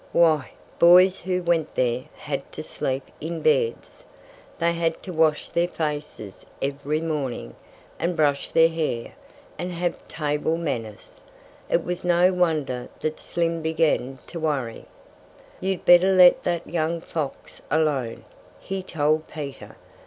Why, boys who went there had to sleep in beds! They had to wash their faces every morning, and brush their hair, and have table manners! It was no wonder that Slim began to worry. "You'd better let that young fox alone!" he told Peter.